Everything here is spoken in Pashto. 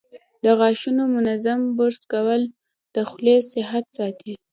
د غاښونو منظم برش کول د خولې صحت ساتي.